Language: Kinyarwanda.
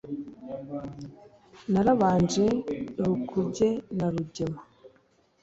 narabanje rukuge na rugema,